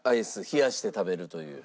冷やして食べるという。